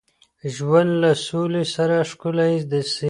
ژوند له سولي سره ښکلی سي